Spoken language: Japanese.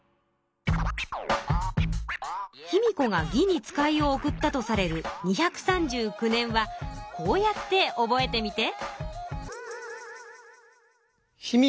卑弥呼が魏に使いを送ったとされる２３９年はこうやって覚えてみて。